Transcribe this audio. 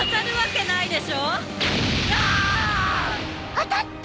当たった！